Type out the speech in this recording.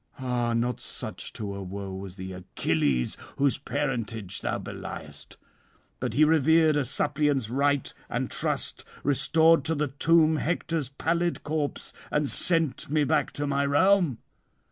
Ah, not such to a foe was the Achilles whose parentage thou beliest; but he revered a suppliant's right and trust, restored to the tomb Hector's pallid corpse, and sent me back to my realm."